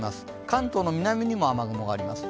関東の南にも雨雲があります。